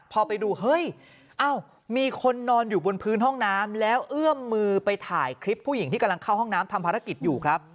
พอไปดูเฮ้ยมีคนนอนอยู่บนพื้นห้องน้ำแล้วเอื้อมมือไปถ่ายคลิปผู้หญิงที่กำลังเข้าห้องน้ำทำภารกิจอยู่ครับ